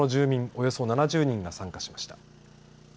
およそ７０人が参加しました。